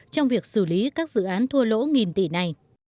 trong việc xử lý các dự án thua lỗ nghìn tỷ này